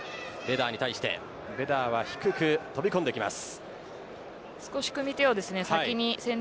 その渡名喜ですがベダーに対してベダーは低く飛び込んできます。